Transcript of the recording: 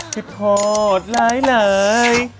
พิธีพอร์ตลาย